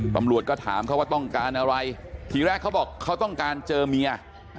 ตำรวจก็ถามเขาว่าต้องการอะไรทีแรกเขาบอกเขาต้องการเจอเมีย